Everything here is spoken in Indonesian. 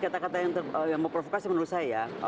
kata kata yang memprovokasi menurut saya